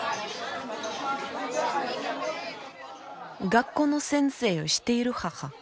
学校の先生をしている母。